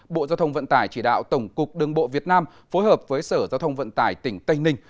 bộ giao thông vận tải chỉ đạo tổng cục đường bộ việt nam phối hợp với sở giao thông vận tải tỉnh tây ninh